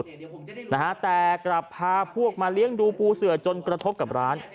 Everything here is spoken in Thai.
เดี๋ยวผมจะได้รู้นะฮะแต่กลับพาพวกมาเลี้ยงดูปูเสือจนกระทบกับร้าน